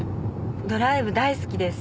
ドライブ大好きです。